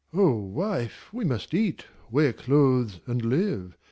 Alib. Oh wife, we must eat, wear clothes, and live; 259ff.